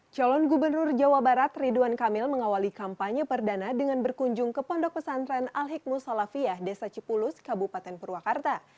calon gubernur jawa barat ridwan kamil mengawali kampanye perdana dengan berkunjung ke pondok pesantren al hikmu salafiyah desa cipulus kabupaten purwakarta